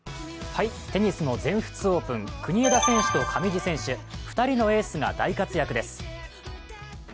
テニスの全仏オープン国枝選手と上地選手、２人のエースが大活躍です。